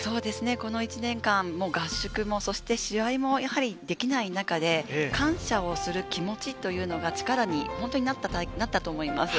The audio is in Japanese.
この１年間、合宿も試合もやはりできない中で感謝をする気持ちというのが、力に本当になったと思います。